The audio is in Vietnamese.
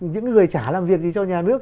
những người trả làm việc gì cho nhà nước